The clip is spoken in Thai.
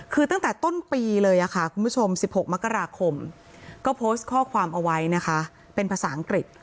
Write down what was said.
คือตั้งแต่ต้นปีเลยค่ะคุณผู้ชม๑๖มกราคมก็โพสต์ข้อความเอาไว้นะคะเป็นภาษาอังกฤษ